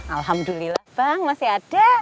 alhamdulillah bang masih ada